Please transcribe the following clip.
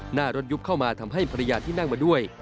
หน้ารถยุบเข้ามาทำให้ภรรยาที่นั่งมาด้วย